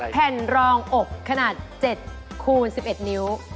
แผ่นรองอกขนาด๗คูณ๑๑นิ้ว